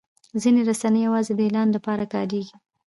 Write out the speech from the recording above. ځینې رسنۍ یوازې د اعلان لپاره کارېږي.